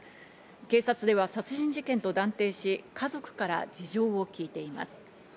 警察では殺人事件と断定し、家族から事情を聴いています。